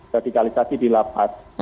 dari kali tadi di lapas